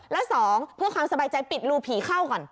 แล้วสองเพื่อความสบายใจปิดรูผีเข้าก่อน